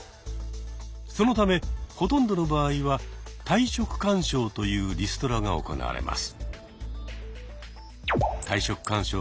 そのためほとんどの場合は「退職勧奨」というリストラが行われます。